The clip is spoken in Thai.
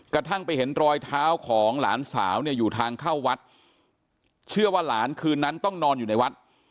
กระทั่งไปเห็นรอยเท้าของหลานสาวเนี่ยอยู่ทางเข้าวัดเชื่อว่าหลานคืนนั้นต้องนอนอยู่ในวัด